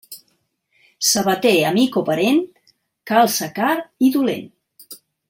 Sabater amic o parent, calça car i dolent.